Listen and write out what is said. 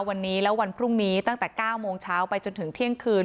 วันนี้แล้ววันพรุ่งนี้ตั้งแต่๙โมงเช้าไปจนถึงเที่ยงคืน